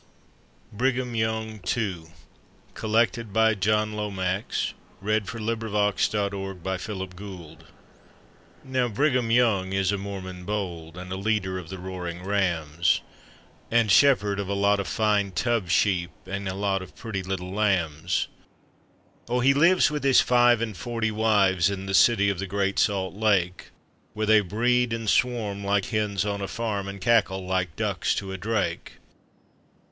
Ah! here's the enemy with their powder and pills. Ri tu ral, lol, lu ral. BRIGHAM YOUNG. II. Now Brigham Young is a Mormon bold, And a leader of the roaring rams, And shepherd of a lot of fine tub sheep And a lot of pretty little lambs. Oh, he lives with his five and forty wives, In the city of the Great Salt Lake, Where they breed and swarm like hens on a farm And cackle like ducks to a drake.